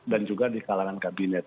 dan juga di kalangan kabinet